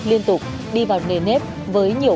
liên tục đi vào nền nếp với nhiều